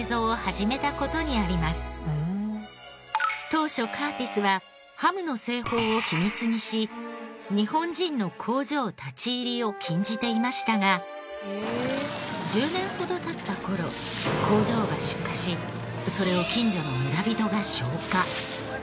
当初カーティスはハムの製法を秘密にし日本人の工場立ち入りを禁じていましたが１０年ほど経った頃工場が出火しそれを近所の村人が消火。